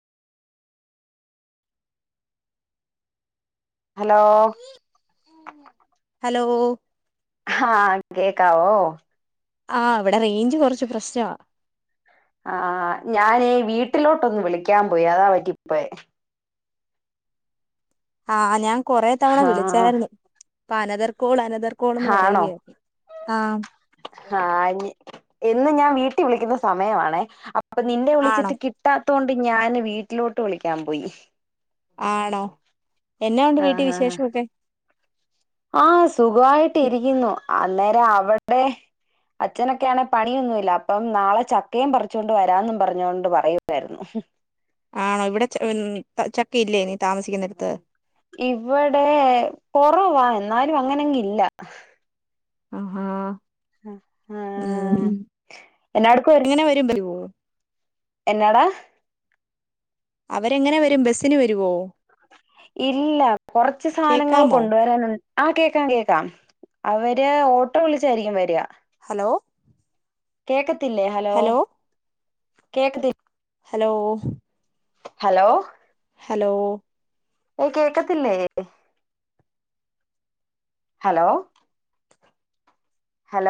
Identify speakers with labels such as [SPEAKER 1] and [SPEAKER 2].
[SPEAKER 1] Hello
[SPEAKER 2] hello
[SPEAKER 1] ഹാ കേക്കാവോ?
[SPEAKER 2] ആ ഇവിടെ റേഞ്ച് കൊറച്ച് പ്രശ്നാ.
[SPEAKER 1] ആ ഞാനെ വീട്ടിലോട്ടൊന്ന് വിളിക്കാൻ പോയി അതാ പറ്റിപ്പോയെ
[SPEAKER 2] ആ ഞാൻ കൊറെ തവണ
[SPEAKER 1] ആ
[SPEAKER 2] വിളിച്ചായിരുന്നു. അപ്പൊ അനതർ കോൾ അന തർക്കോളന്ന്
[SPEAKER 1] ആണോ
[SPEAKER 2] പറയുകയായിരുന്നു ആ
[SPEAKER 1] ആ ഞ- എന്ന് ഞാൻ വീട്ടി വിളിക്കുന്ന സമയമാണേ അപ്പൊ നിന്നെ
[SPEAKER 2] ആണോ
[SPEAKER 1] വിളിച്ചിട്ട് കിട്ടാ ത്തോണ്ട് ഞാൻ വീട്ടിലോട്ട് വിളിക്കാൻ പോയി.
[SPEAKER 2] ആണോ. എന്നാ ഉണ്ട്
[SPEAKER 1] ആ
[SPEAKER 2] വീട്ടിൽ
[SPEAKER 1] ആ ആ
[SPEAKER 2] വിശേഷൊക്കെ.
[SPEAKER 1] ആ സുഖമായിട്ട് ഇരിക്കുന്നു. അന്നേരം അവിടെ അച്ഛനൊക്കെയാണെ പണിയൊന്നുമില്ല. അപ്പം നാളെ ചക്കയും പറിച്ചുകൊണ്ട് വരാന്നും പറഞ്ഞു കൊണ്ട് പറയുവായിരുന്നു.
[SPEAKER 2] ആണോ ഇവിടെ ച ചക്കയില്ലേ നീ താമസിക്കുന്നടത്ത്.
[SPEAKER 1] ഇവിടെ കുറവാ. എന്നാലും അങ്ങനങ്ങില്ല.
[SPEAKER 2] ആഹ
[SPEAKER 1] ആ
[SPEAKER 2] ഉം
[SPEAKER 1] എന്നാ എടുക്കുവായിരുന്നു
[SPEAKER 2] എങ്ങനെ വരും വരുവോ
[SPEAKER 1] എന്നാടാ
[SPEAKER 2] അവരെങ്ങനെ വരും ബസിന് വരുവോ?
[SPEAKER 1] ഇല്ല. കൊറച്ച് സാധനങ്ങൾ
[SPEAKER 2] കേക്കാമോ
[SPEAKER 1] കൊണ്ടുവരാനു ആ കേക്കാം കേൾക്കാം അവര് ഓട്ടോ വിളിച്ചായിരിക്കും വരാ.
[SPEAKER 2] ഹലോ
[SPEAKER 1] കേക്കത്തില്ലേ ഹലോ കേക്കത്തി
[SPEAKER 2] ഹലോ
[SPEAKER 1] ഹലോ
[SPEAKER 2] ഹലോ
[SPEAKER 1] ഏയ് കേക്കത്തില്ലേ? Hello hello